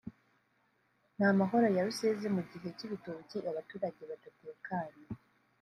nta mahoro ya Rusizi mu gihe kibitoki abaturage badatekanye